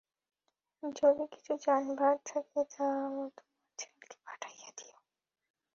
যদি কিছু জানাইবার থাকে তোমার ছেলেকে পাঠাইয়া দিয়ো।